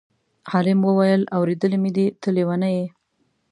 عالم وویل: اورېدلی مې دی ته لېونی یې.